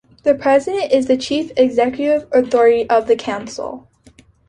The president is the chief executive Authority of the Council.